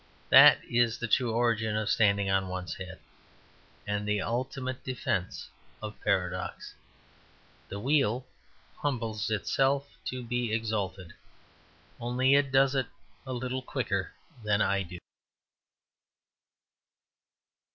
That is the true origin of standing on one's head; and the ultimate defence of paradox. The wheel humbles itself to be exalted; only it does it a little quicker than I do.